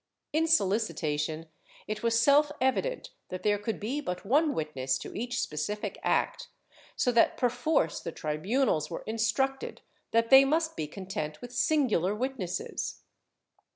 In solicitation, it was self evident that there could be but one witness to each specific act, so that perforce the tribunals were instructed that they must be content with ''singular" witnesses.